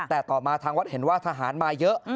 แต่ต่อมาทางวัดเห็นว่าทหารมาเยอะ